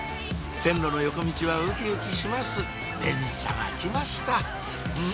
線路の横道はウキウキします電車が来ましたん？